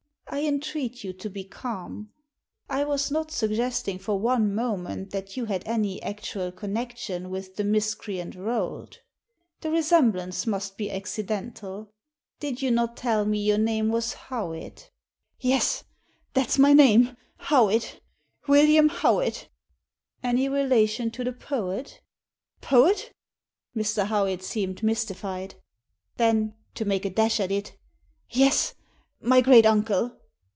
I entreat you to be calm. I was not suggesting for one moment that you had any actual connection with the miscreant Rolt The resemblance must be accidental. Did you not tell me your name was Howitt ?" Digitized by VjOOQIC A PSYCHOLOGICAL EXPERIMENT 7 "Yes; that's my name, Howitt— William Howitt" " Any relation to the poet ?" '*Poet?" Mr. Howitt seemed mystified; then, to make a dash at it, " Yes ; my great uncle."